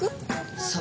そう。